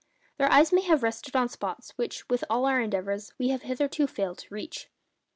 Their eyes may have rested on spots which, with all our endeavours, we have hitherto failed to reach.